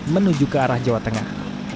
menuju ke arah jawa tengah